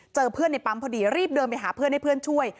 เจอเพื่อนในปั๊มพอดีรีบเดินไปหาเพื่อนให้เพื่อนช่วย